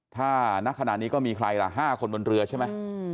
ถ้านักขณะนี้ก็มีใครล่ะ๕คนบนเรือใช่ไหม